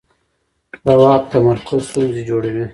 د واک تمرکز ستونزې جوړوي